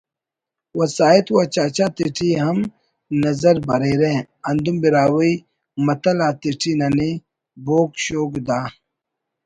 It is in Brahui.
وساہت و چاچا تیٹی ہم نظر بریرہ ہندن براہوئی متل آتیٹی ننے بوگ شوگ دا